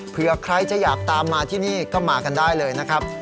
เพื่อใครจะอยากตามมาที่นี่ก็มากันได้เลยนะครับ